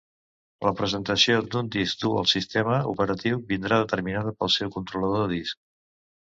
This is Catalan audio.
La presentació d'un disc dur al sistema operatiu vindrà determinada pel seu controlador de disc.